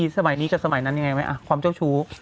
สมัยนี้กับสมัยนั้นยังไงไหมความเจ้าชู้